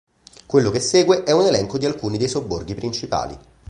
Quello che segue è un elenco di alcuni dei sobborghi principali.